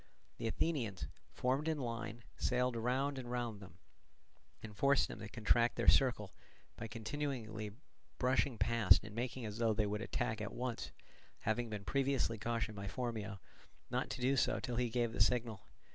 The Athenians, formed in line, sailed round and round them, and forced them to contract their circle, by continually brushing past and making as though they would attack at once, having been previously cautioned by Phormio not to do so till he gave the signal.